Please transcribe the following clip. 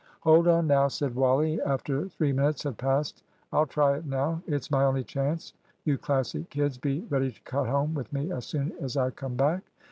"Hold on, now," said Wally, after three minutes had passed; "I'll try it now it's my only chance. You Classic kids be ready to cut home with me as soon as I come back."